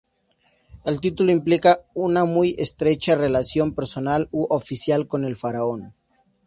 El título implica una muy estrecha relación personal u oficial con el faraón.